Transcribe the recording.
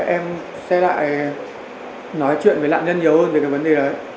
em sẽ lại nói chuyện với nạn nhân nhiều hơn về vấn đề đó